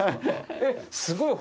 えすごい。